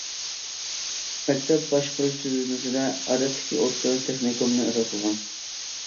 مەكتەپ باشقۇرۇش تۈزۈلمىسىدە ئادەتتىكى ئوتتۇرا تېخنىكومنى ئاساس قىلغان.